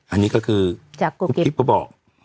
อันนี้ก็คือครูกริปเขาบอก